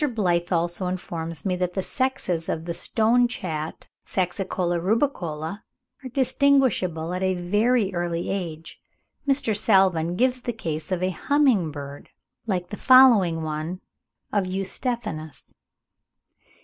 Blyth also informs me that the sexes of the stonechat, Saxicola rubicola, are distinguishable at a very early age. Mr. Salvin gives ('Proc. Zoolog. Soc.' 1870, p. 206) the case of a humming bird, like the following one of Eustephanus.)